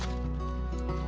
terima kasih tuhan